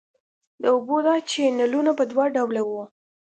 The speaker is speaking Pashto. د اوبو دا چینلونه په دوه ډوله وو.